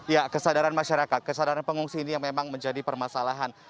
ya kesadaran masyarakat kesadaran pengungsi ini yang memang menjadi permasalahan